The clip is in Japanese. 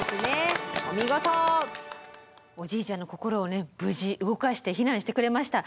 おじいちゃんの心を無事動かして避難してくれました。